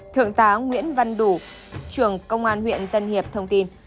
thượng tá nguyễn văn đủ trưởng công an huyện tân hiệp thông tin